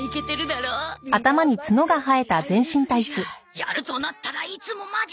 やるとなったらいつもマジ。